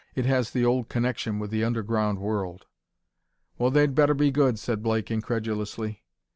"It has the old connection with the underground world." "Well, they'd better be good!" said Blake incredulously.